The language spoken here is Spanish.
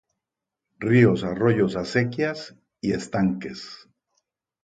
Ríos, arroyos, acequias y estanques.